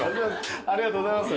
ありがとうございます。